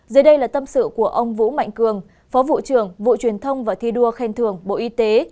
dưới đây là tâm sự của ông vũ mạnh cường phó vụ trưởng vụ truyền thông và thi đua khen thưởng bộ y tế